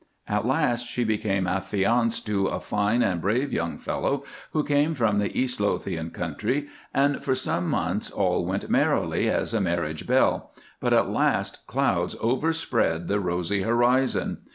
At last she became affianced to a fine and brave young fellow who came from the East Lothian country, and for some months all went merrily as a marriage bell, but at last clouds overspread the rosy horizon.